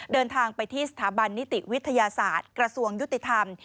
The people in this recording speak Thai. เดินทางไปที่สถาบันนิติวิทยาศาสตร์กระทรวงยุติธรรม